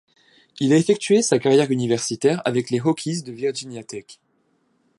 Il a effectué sa carrière universitaire avec les Hokies de Virginia Tech.